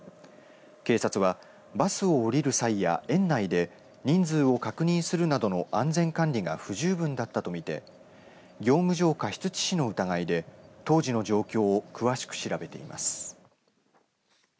警察はバスを降りる際や園内で人数を確認するなどの安全管理が不十分だったと見て業務上過失致死の疑いで当時の状況を詳しく調べています。